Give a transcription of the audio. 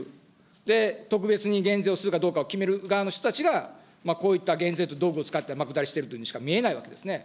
で、特別に減税をするかどうかを決める側の人たちが、こういった減税と、天下りしているというふうにしか見えないわけですね。